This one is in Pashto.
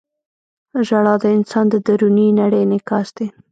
• ژړا د انسان د دروني نړۍ انعکاس دی.